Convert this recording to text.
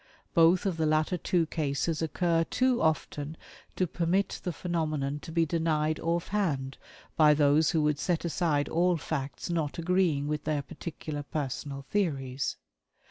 Both of the latter two cases occur too often to permit the phenomenon to be denied off hand by those who would set aside all facts not agreeing with their particular personal theories.